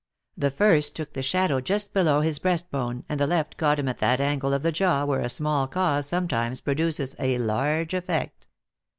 The first took the shadow just below his breast bone, and the left caught him at that angle of the jaw where a small cause sometimes produces a large effect.